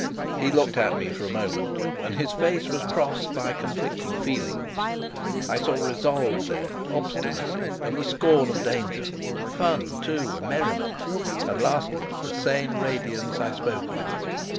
He looked at me for a moment, and his face was crossed by conflicting feelings. I saw resolve there, obstinacy, and the scorn of danger; fun, too, and merriment; and, lastly, the same radiance I spoke of.